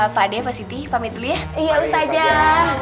pak adek pasti pamit iya ustazah waalaikumsalam